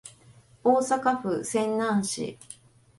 大阪府泉南市